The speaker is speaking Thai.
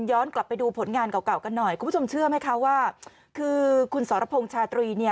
กลับไปดูผลงานเก่ากันหน่อยคุณผู้ชมเชื่อไหมคะว่าคือคุณสรพงษ์ชาตรีเนี่ย